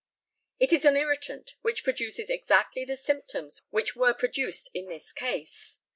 It is an irritant, which produces exactly the symptoms which were produced in this case.